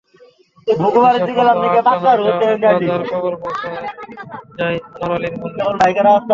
হিসাব মতো আটটা, নয়টা বাজার খবর পৌঁছে যায় আনর আলীর মনে।